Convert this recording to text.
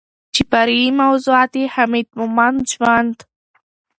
چې فرعي موضوعات يې حميد مومند ژوند